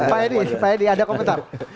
pak edi pak edi ada komentar